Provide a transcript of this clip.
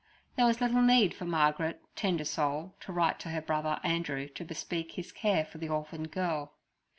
There was little need for Margaret, tender soul, to write to her brother Andrew to bespeak his care for the orphan girl.